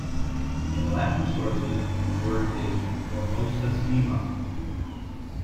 In Latin sources, the word is "formosissima".